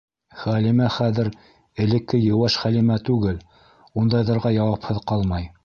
Хәлимә хәҙер элекке йыуаш Хәлимә түгел, ундайҙарға яуапһыҙ ҡалмай.